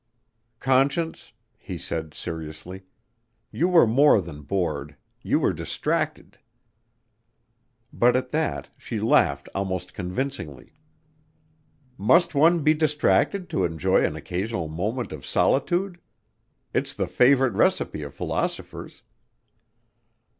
"Conscience," he said seriously, "you were more than bored, you were distracted." But at that, she laughed almost convincingly. "Must one be distracted to enjoy an occasional moment of solitude? It's the favorite recipe of philosophers."